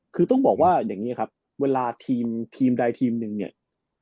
คือต้องบอกว่าอย่างนี้ครับเวลาทีมทีมใดทีมหนึ่งเนี่ย